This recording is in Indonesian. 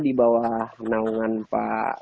di bawah naungan pak